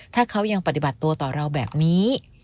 ถ้าเขายังปฏิบัติตัวต่อเราแบบนี้